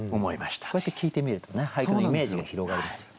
こうやって聞いてみるとね俳句のイメージが広がりますよね。